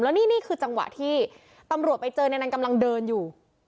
นี่คือจังหวะที่ตำรวจไปเจอในนั้นกำลังเดินอยู่